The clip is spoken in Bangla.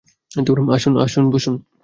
আসুন, আসুন!